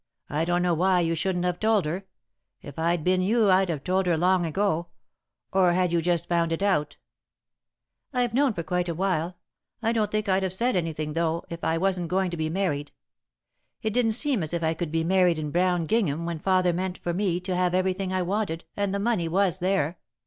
I don't know why you shouldn't have told her. If I'd been you, I'd have told her long ago or had you just found it out?" [Sidenote: Unable to Speak] "I've known for quite a while. I don't think I'd have said anything, though, if I wasn't going to be married. It didn't seem as if I could be married in brown gingham when father meant for me to have everything I wanted and the money was there."